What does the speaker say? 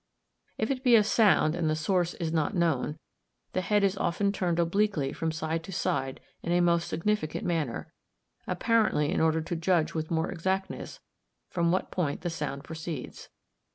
If it be a sound and the source is not known, the head is often turned obliquely from side to side in a most significant manner, apparently in order to judge with more exactness from what point the sound proceeds.